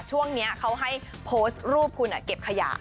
ช่วงนี้เขาให้โพสต์รูปคุณเก็บขยะ